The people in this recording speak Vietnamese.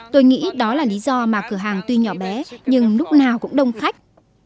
tôi nghĩ đó là lý do mà cửa hàng tuy nhỏ bé nhưng lúc nào cũng đông khách